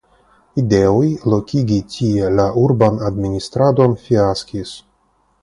Ideoj lokigi tie la urban administradon fiaskis.